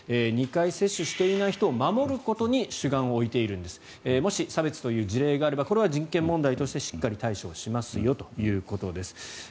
２回接種していない人を守ることに主眼を置いているんですもし、差別という事例があればこれは人権問題としてしっかり対処しますよということです。